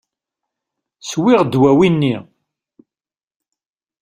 Swiɣ ddwawi-nni.